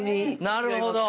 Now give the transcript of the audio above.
なるほど。